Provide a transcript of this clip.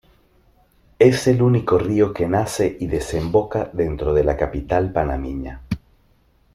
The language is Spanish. Es el único río que nace y desemboca dentro de la capital panameña.